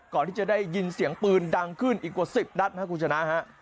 ก่อนที่จะได้ยินเสียงปืนดังขึ้นอีกกว่า๑๐ดัชนะครับ